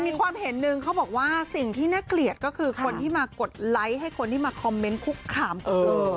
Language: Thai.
มีความเห็นนึงเขาบอกว่าสิ่งที่น่าเกลียดก็คือคนที่มากดไลค์ให้คนที่มาคอมเมนต์คุกคามเธอ